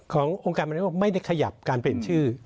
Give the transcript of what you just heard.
ขององค์การมันเรียกว่าไม่ได้ขยับการเปลี่ยนชื่อ